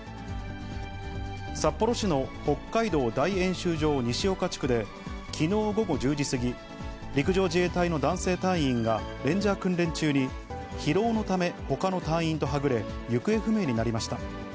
札幌市の北海道大演習場西岡地区で、きのう午後１０時過ぎ、陸上自衛隊の男性隊員がレンジャー訓練中に、疲労のためほかの隊員とはぐれ行方不明になりました。